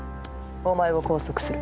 お前を拘束する。